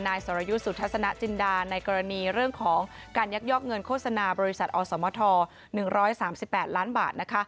สรยุทธ์สุทัศนจินดาในกรณีเรื่องของการยักยอกเงินโฆษณาบริษัทอสมท๑๓๘ล้านบาท